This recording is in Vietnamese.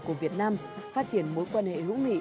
của việt nam phát triển mối quan hệ hữu nghị